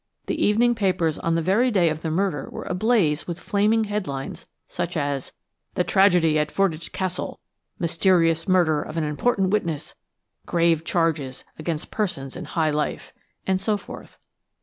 The evening papers on the very day of the murder were ablaze with flaming headlines such as: THE TRAGEDY AT FORDWYCH CASTLE MYSTERIOUS MURDER OF AN IMPORTANT WITNESS GRAVE CHARGES AGAINST PERSONS IN HIGH LIFE and so forth.